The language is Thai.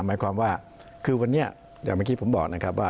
หมายความว่าวันนี้เหมือนแม่งคิดผมก็บอกนะครับว่า